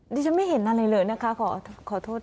ดิฉันไม่เห็นอะไรเลยนะคะขอโทษ